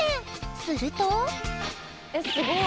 するとえすごい！